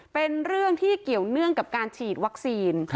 เป็นเรื่องที่เกี่ยวเนื่องกับการฉีดวัคซีน